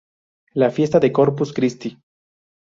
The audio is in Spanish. La fiesta del Corpus Christi.